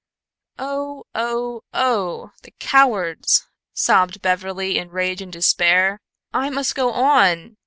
"Oh, oh, oh! The cowards!" sobbed Beverly in rage and despair. "I must go on!